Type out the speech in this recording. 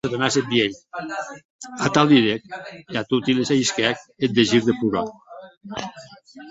Atau didec, e a toti les ahisquèc eth desir de plorar.